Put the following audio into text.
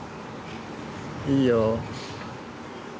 いいよ。